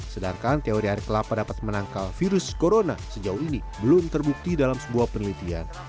sedangkan teori air kelapa dapat menangkal virus corona sejauh ini belum terbukti dalam sebuah penelitian